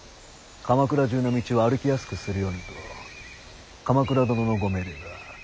鎌倉中の道を歩きやすくするようにと鎌倉殿のご命令だ。